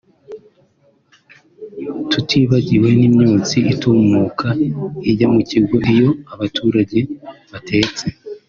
tutibagiwe n’imyotsi itumuka ijya mu kigo iyo abaturage batetse